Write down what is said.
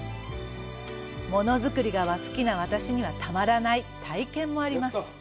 もの作りが好きな私にはたまらない体験もあります。